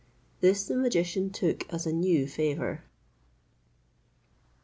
This the magician took as a new favour.